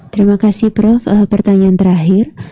terima kasih prof pertanyaan terakhir